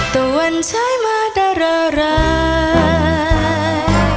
ตะวันใช้มาดะละลาย